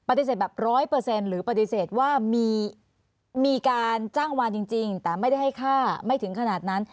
ปฏิเสธแบบ๑๐๐หรือปฏิเสธว่ามีการจ้างวานจริงแต่ไม่ได้ให้ฆ่าไม่ถึงขนาดนั้น